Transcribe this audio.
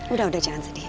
udah udah jangan sedih